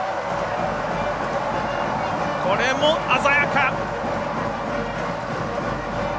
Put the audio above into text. これも鮮やか。